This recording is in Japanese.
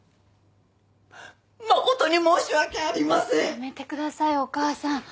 やめてくださいお母さん。